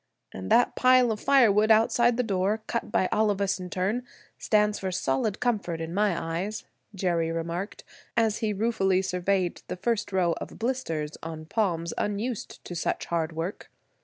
"And that pile of firewood outside the door, cut by all of us in turn, stands for solid comfort in my eyes," Jerry remarked, as he ruefully surveyed the first row of blisters on palms unused to such hard work.